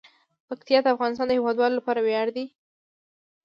پکتیا د افغانستان د هیوادوالو لپاره ویاړ دی.